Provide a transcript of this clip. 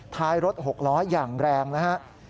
ท้ายรถ๖ล้ออย่างแรงนะครับ